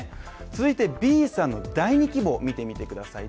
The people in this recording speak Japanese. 続いてＢさんの第２希望、見てみてください。